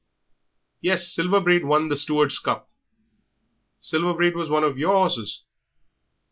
"Yes, Silver Braid won the Stewards' Cup." "Silver Braid was one of your horses?"